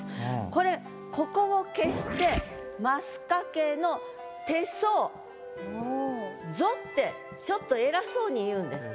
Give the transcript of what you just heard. これここを消して「ますかけの手相ぞ」ってちょっと偉そうに言うんです。